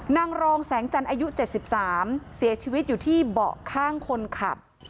นางรองแสงจันทร์อายุ๗๓เสียชีวิตอยู่ที่เบาะข้างคนขับ